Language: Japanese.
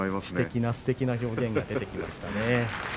すてきなすてきな表現が出てきましたね。